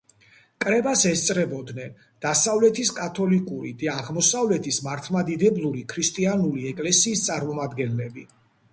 კრებას ესწრებოდნენ დასავლეთის კათოლიკური და აღმოსავლეთის მართლმადიდებლური ქრისტიანული ეკლესიის წარმომადგენლები.